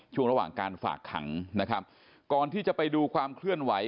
ช่วงระหว่างการฝากขังนะครับก่อนที่จะไปดูความเคลื่อนไหว